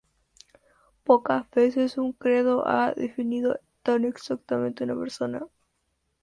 Pocas veces un credo ha definido tan exactamente a una persona.